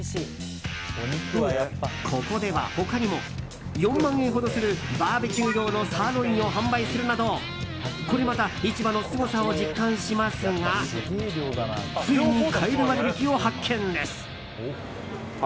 ここでは、他にも４万円ほどするバーベキュー用のサーロインを販売するなどこれまた市場のすごさを実感しますがついに買える割引を発見です。